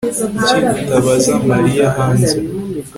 Kuki utabaza Mariya hanze